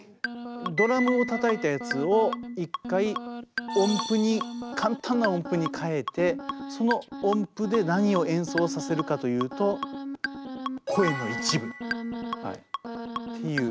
ドラムをたたいたやつを一回音符に簡単な音符に変えてその音符で何を演奏させるかというと声の一部っていう